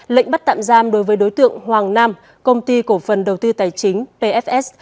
lệnh bắt tạm giam đối với đối tượng hoàng nam công ty cổ phần đầu tư tài chính pfs